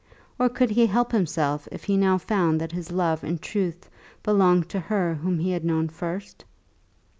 Or could he help himself if he now found that his love in truth belonged to her whom he had known first?